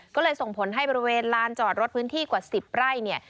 ก็เลยส่งผลให้บริเวณลานจอดรถพื้นที่กว่า๑๐ไร่เนี่ย